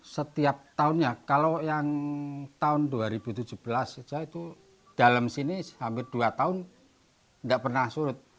setiap tahunnya kalau yang tahun dua ribu tujuh belas saja itu dalam sini hampir dua tahun tidak pernah surut